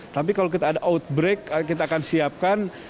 tapi kalau kita ada outbreak kita akan siapkan